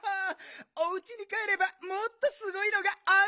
おうちにかえればもっとすごいのがあるんだけどね。